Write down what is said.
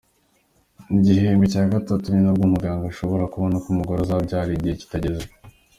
Mu gihembwe cya gatatu ninabwo muganga ashobora kubona ko umugore azabyara igihe kitageze.